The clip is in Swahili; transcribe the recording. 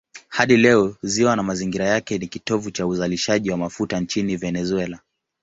Hadi leo ziwa na mazingira yake ni kitovu cha uzalishaji wa mafuta nchini Venezuela.